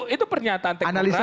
itu pernyataan teknologi